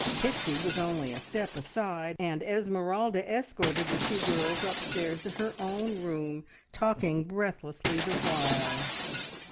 Pixie was only a step aside, and Esmeralda escorted the two girls upstairs to her own room, talking breathlessly the while.